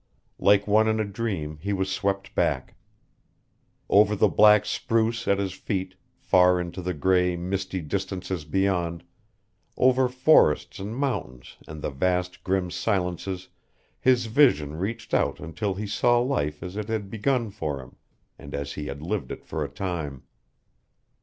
Like one in a dream he was swept back. Over the black spruce at his feet, far into the gray, misty distances beyond, over forests and mountains and the vast, grim silences his vision reached out until he saw life as it had begun for him, and as he had lived it for a time.